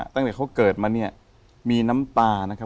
ตั้งแต่เขาเกิดมาเนี่ยมีน้ำตานะครับ